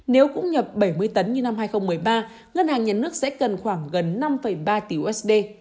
nếu cũng nhập bảy mươi tấn như năm hai nghìn một mươi ba ngân hàng nhà nước sẽ cần khoảng gần năm ba tỷ usd